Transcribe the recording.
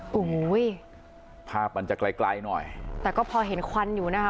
โอ้โหภาพมันจะไกลไกลหน่อยแต่ก็พอเห็นควันอยู่นะคะ